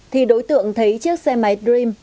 thì đối tượng thấy chiếc xe máy dream